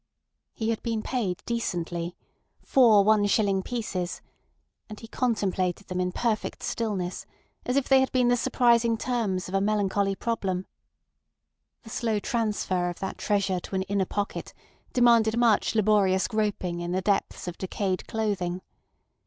He had been paid decently—four one shilling pieces—and he contemplated them in perfect stillness, as if they had been the surprising terms of a melancholy problem. The slow transfer of that treasure to an inner pocket demanded much laborious groping in the depths of decayed clothing.